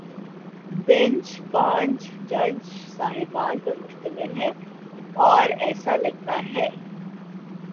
Bench پانچ جج صاحبان پر مشتمل ہے، اور ایسا لگتا ہے۔